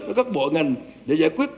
của các bộ ngành để giải quyết